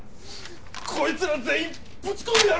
こいつら全員ぶち込んでやる！